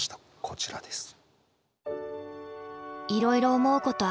こちらです。